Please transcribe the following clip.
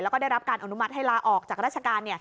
แล้วก็ได้รับการอนุมัติให้ลาออกจากราชการ